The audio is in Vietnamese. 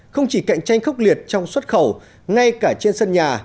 không chỉ cạnh tranh khốc liệt trong xuất khẩu ngay cả trên sân nhà